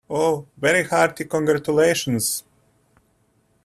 Oh, very hearty congratulations.